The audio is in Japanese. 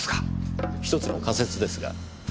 １つの仮説ですが。